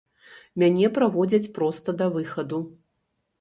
Мяне праводзяць проста да выхаду.